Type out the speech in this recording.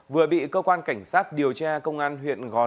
vừa bị cơ quan cảnh sát điều tra công an huyện gò